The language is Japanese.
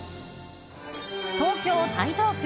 東京・台東区。